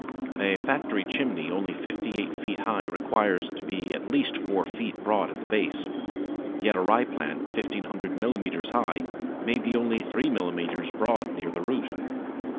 A factory chimney only fifty eight feet high requires to be at least four feet broad at the base, yet a ryeplant 1500 millimetres high may be only three millimetres broad near the root.